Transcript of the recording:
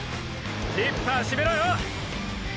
ジッパー閉めろよ！！